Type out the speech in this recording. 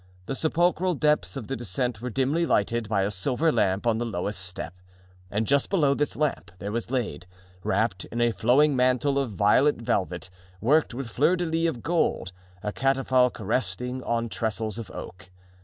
The sepulchral depths of the descent were dimly lighted by a silver lamp on the lowest step; and just below this lamp there was laid, wrapped in a flowing mantle of violet velvet, worked with fleurs de lis of gold, a catafalque resting on trestles of oak.